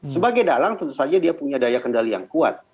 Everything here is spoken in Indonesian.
sebagai dalang tentu saja dia punya daya kendali yang kuat